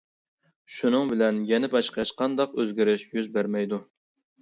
شۇنىڭ بىلەن، يەنە باشقا ھېچقانداق ئۆزگىرىش يۈز بەرمەيدۇ.